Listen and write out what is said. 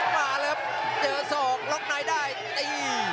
มาแล้วครับเจอส่องล็อคไนท์ได้